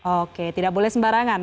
oke tidak boleh sembarangan